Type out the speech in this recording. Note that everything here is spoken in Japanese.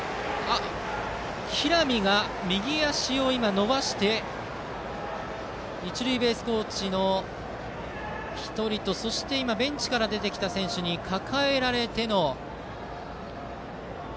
平見が右足を伸ばして一塁ベースコーチの１人とそしてベンチから出てきた選手に抱えられての。